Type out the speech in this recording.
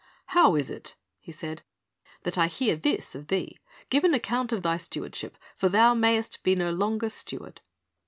"How is it," he said, "that I hear this of thee ? Give an account of thy stewardship; for thou mayest be no longer steward."